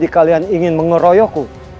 kau ingin menyerangku